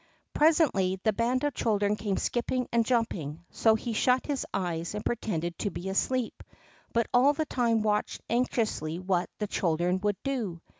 Presently the band of children came skipping and jumping, so he shut his eyes and pretended to be asleep, but all the time watched anxiously what the children would do.